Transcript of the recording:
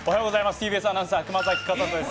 ＴＢＳアナウンサー、熊崎風斗です。